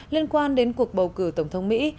liên quan đến cuộc bầu cử tổng thống mỹ